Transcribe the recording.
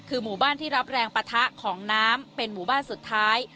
คือหมู่บ้านที่รับแรงปะทะของน้ำเป็นหมู่บ้านสุดท้าย